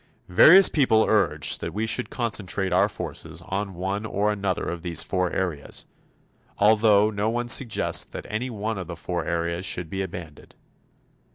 Various people urge that we concentrate our forces on one or another of these four areas, although no one suggests that any one of the four areas should be abandoned.